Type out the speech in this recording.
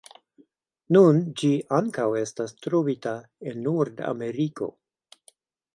Nun ĝi ankaŭ estas trovita en Nordameriko.